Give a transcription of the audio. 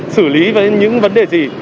xử lý với những vấn đề gì